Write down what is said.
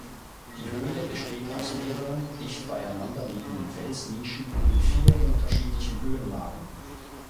Die Höhle besteht aus mehreren dicht beieinander liegenden Felsnischen in vier unterschiedlichen Höhenlagen.